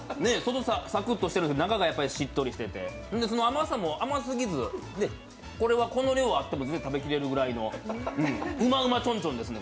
サクッとしているので、中がやっぱりしっとりしてて甘さも甘すぎず、これはこの量あっても食べきれるぐらいのうまうまちょんちょんですね。